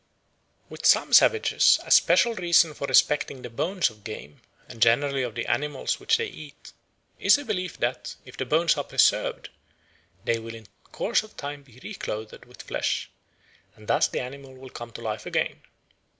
With some savages a special reason for respecting the bones of game, and generally of the animals which they eat, is a belief that, if the bones are preserved, they will in course of time be reclothed with flesh, and thus the animal will come to life again.